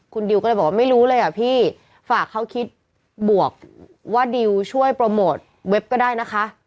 คุณดิวก็เลยบอกว่าไม่รู้เลยอ่ะพี่ฝากเขาคิดบวกว่าดิวช่วยโปรโมทเว็บก็ได้นะคะ